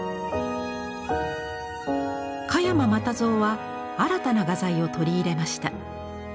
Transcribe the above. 加山又造は新たな画材を取り入れました。